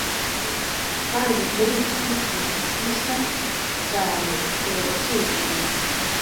kandi, muri iki giti gishya cyane, cyera, cyijimye